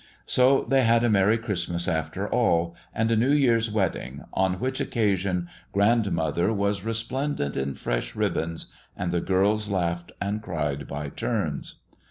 So they had a merry Christmas after all, and a New Year's wedding, on which occasion grandmother was resplendent in fresh ribbons, and the girls laughed and cried by turns.